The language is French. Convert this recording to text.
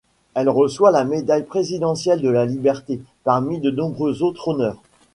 Elle reçoit la médaille présidentielle de la Liberté, parmi de nombreux autres honneurs.